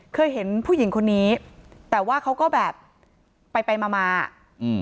เคยเห็นผู้หญิงคนนี้แต่ว่าเขาก็แบบไปไปมามาอืม